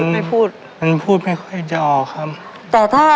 ไม่พูดไม่ค่อยจะออกครับ